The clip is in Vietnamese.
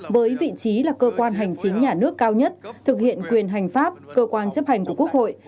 với vị trí là cơ quan hành chính nhà nước cao nhất thực hiện quyền hành pháp cơ quan chấp hành của quốc hội